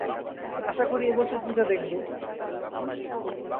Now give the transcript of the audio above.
আশা করি, এ বছর পূজা দেখব।